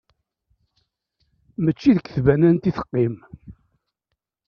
Mačči deg tbanant i teqqim!